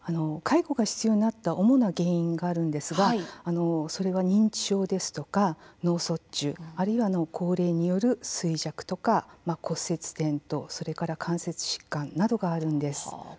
介護が必要になった主な原因があるんですがそれは認知症ですとか脳卒中あるいは高齢による衰弱とか骨折・転倒それから関節疾患などがあるんです。